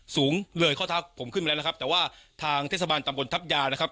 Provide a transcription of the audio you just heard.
สูงเลยข้อเท้าผมขึ้นไปแล้วนะครับแต่ว่าทางเทศบาลตำบลทัพยานะครับ